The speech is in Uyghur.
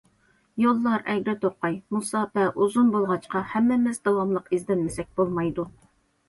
« يوللار ئەگرى- توقاي، مۇساپە ئۇزۇن بولغاچقا، ھەممىمىز داۋاملىق ئىزدەنمىسەك بولمايدۇ».